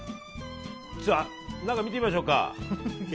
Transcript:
ちょっと中、見てみましょうか。